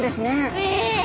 へえ。